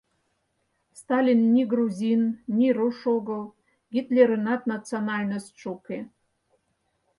Сталин ни грузин, ни руш огыл, Гитлерынат национальностьшо уке.